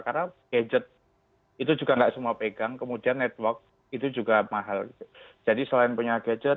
karena gadget itu juga enggak semua pegang kemudian network itu juga mahal jadi selain punya gadget